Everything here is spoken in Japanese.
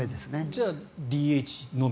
じゃあＤＨのみ。